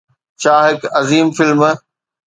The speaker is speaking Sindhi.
ڇا هڪ عظيم فلم